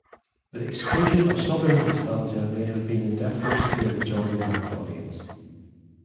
The exclusion of southern nostalgia may have been in deference to a majority-black audience.